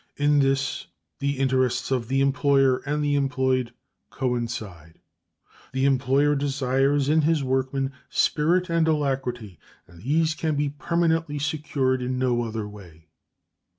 In this the interests of the employer and the employed coincide. The employer desires in his workmen spirit and alacrity, and these can be permanently secured in no other way.